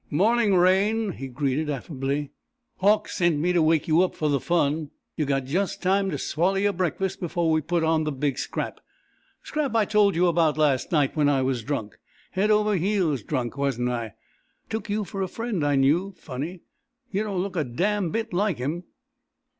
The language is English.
"Morning, Raine," he greeted affably. "Hauck sent me to wake you up for the fun. You've got just time to swallow your breakfast before we put on the big scrap the scrap I told you about last night, when I was drunk. Head over heels drunk, wasn't I? Took you for a friend I knew. Funny. You don't look a dam' bit like him!"